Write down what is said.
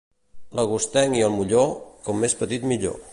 L'agostenc i el molló, com més petit millor.